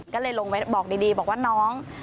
ก็เลยลงไปบอกดีบอกว่าน้อง